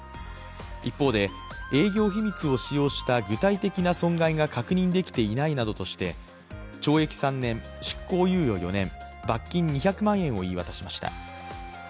一方で営業秘密を使用した具体的な損害が確認できていないとして懲役３年、執行猶予４年罰金２００万円を言い渡しました。